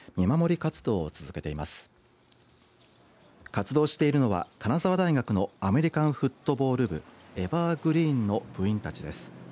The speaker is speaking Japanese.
活動しているのは、金沢大学のアメリカンフットボール部エバーグリーンの部員たちです。